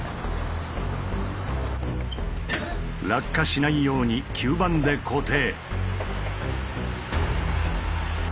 落下しないように吸盤で固定。